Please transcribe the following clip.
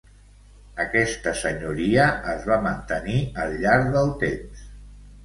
Aquesta senyoria es va mantenir al llarg del temps.